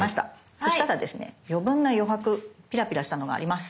そしたらですね余分な余白ピラピラしたのがあります。